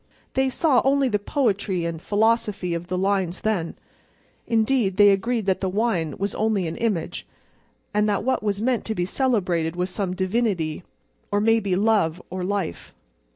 They saw only the poetry and philosophy of the lines then—indeed, they agreed that the Wine was only an image, and that what was meant to be celebrated was some divinity, or maybe Love or Life.